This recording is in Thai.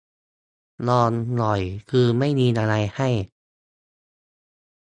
ลองหน่อย คือไม่มีอะไรให้